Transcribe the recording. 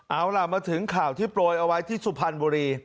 เอาล่ะมาถึงข่าวที่โปรยเอาไว้ที่สุพรรณบุรี